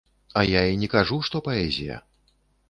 А я і не кажу, што паэзія.